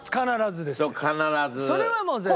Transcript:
それはもう絶対。